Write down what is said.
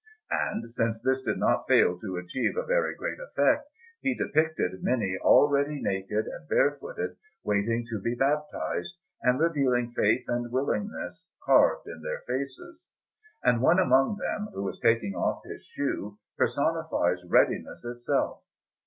And since this did not fail to achieve a very great effect, he depicted many already naked and barefooted, waiting to be baptized, and revealing faith and willingness carved in their faces; and one among them, who is taking off his shoe, personifies readiness itself.